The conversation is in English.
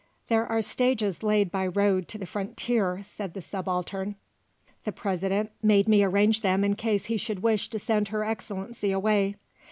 "There are stages laid by road to the frontier," said the Subaltern. "The President made me arrange them in case he should wish to send Her Excellency away.